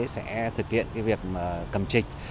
sẽ thực hiện việc cầm trịch